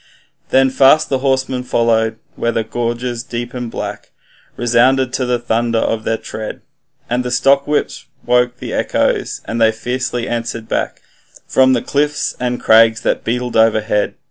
Then fast the horsemen followed, where the gorges deep and black Resounded to the thunder of their tread, And the stockwhips woke the echoes, and they fiercely answered back From cliffs and crags that beetled overhead.